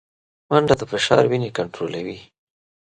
منډه د فشار وینې کنټرولوي